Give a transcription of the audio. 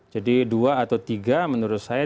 jadi dua atau tiga menurut saya